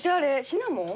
シナモン？